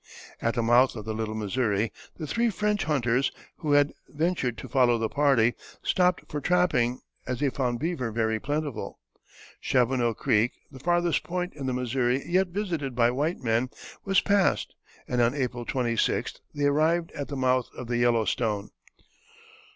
At the mouth of the Little Missouri the three French hunters, who had ventured to follow the party, stopped for trapping, as they found beaver very plentiful. Chaboneau Creek, the farthest point on the Missouri yet visited by white men, was passed, and on April 26th they arrived at the mouth of the Yellowstone.